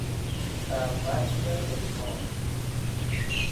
بر وجه اجمال